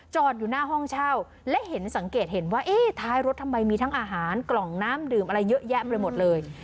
อยู่หน้าห้องเช่าและเห็นสังเกตเห็นว่าเอ๊ะท้ายรถทำไมมีทั้งอาหารกล่องน้ำดื่มอะไรเยอะแยะไปหมดเลย